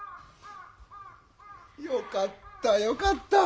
よかったよかった。